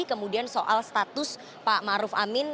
kemudian soal status pak maruf amin